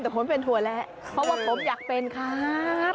แต่ผมเป็นถั่วแล้วเพราะว่าผมอยากเป็นครับ